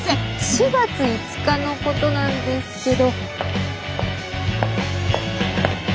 ４月５日のことなんですけど。